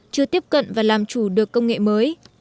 chưa tiếp cận và làm chủ được công nghệ mới